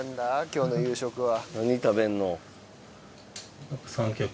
今日の夕食は。